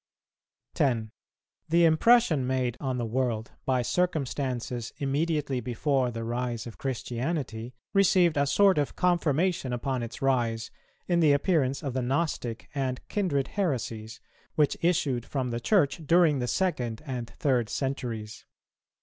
10. The impression made on the world by circumstances immediately before the rise of Christianity received a sort of confirmation upon its rise, in the appearance of the Gnostic and kindred heresies, which issued from the Church during the second and third centuries.